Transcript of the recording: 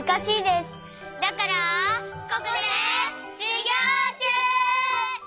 ここでしゅぎょうちゅう！